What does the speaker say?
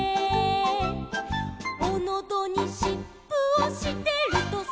「おのどにしっぷをしてるとさ」